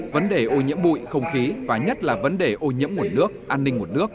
vấn đề ô nhiễm bụi không khí và nhất là vấn đề ô nhiễm nguồn nước an ninh nguồn nước